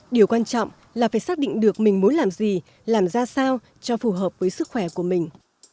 điều quan trọng là phải xác định được mình muốn làm gì làm ra sao cho phù hợp với sức khỏe của mình